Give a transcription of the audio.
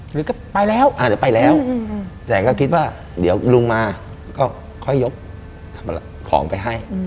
หรือก็ไปแล้วแต่ก็คิดว่าเดี๋ยวลุงมาก็ค่อยยกของไปให้